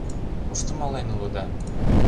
Кушто мален улыда?